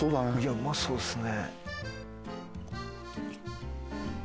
うまそうっすね。